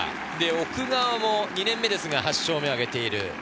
奥川、もう２年目ですが、８勝目を挙げている。